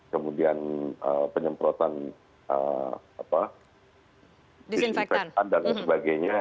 kemudian penyemprotan disinfektan dan sebagainya